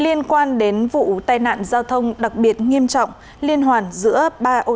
liên quan đến vụ tai nạn giao thông đặc biệt nghiêm trọng liên hoàn giữa ba ô tô là một người chết và tám người bị thương